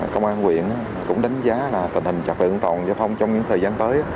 công an quyện cũng đánh giá là tình hình trật tự an toàn giao thông trong những thời gian tới